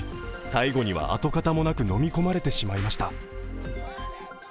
最後には跡形もなく飲み込まれてしまいました。